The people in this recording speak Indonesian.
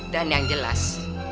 dan yang jelas